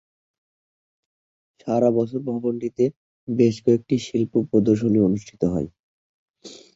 সারা বছর ভবনটিতে বেশ কয়েকটি শিল্প প্রদর্শনী অনুষ্ঠিত হয়।